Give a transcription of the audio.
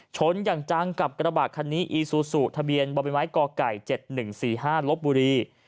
ชนอย่างจังกับกระบาดคันนี้อีซูซูทะเบียนบ่อใบไม้กไก่๗๑๔๕ลบบุรี